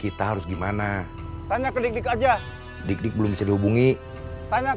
ini gimana bawahnya